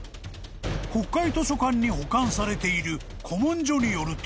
［国会図書館に保管されている古文書によると］